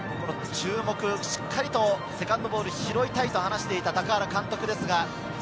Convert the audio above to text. しっかりとセカンドボールを拾いたいと話していた高原監督です。